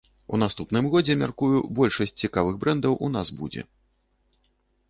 У наступным годзе, мяркую, большасць цікавых брэндаў у нас будзе.